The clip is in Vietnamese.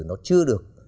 nó chưa được